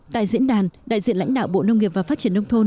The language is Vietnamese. tại diễn đàn đại diện lãnh đạo bộ nông nghiệp và phát triển nông thôn